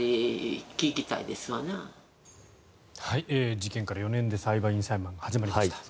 事件から４年で裁判員裁判が始まりました。